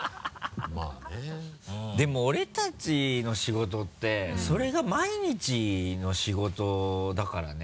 でも俺たちの仕事ってそれが毎日の仕事だからね。